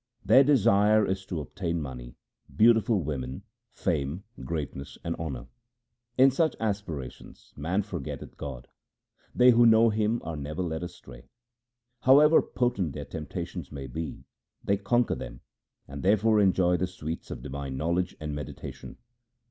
Their desire is to obtain money, beautiful women, fame, greatness, and honour. In such aspirations man forgetteth God. They who know Him are never led astray. However potent their temptations may be, they conquer them, and there fore enjoy the sweets of divine knowledge and medi tation.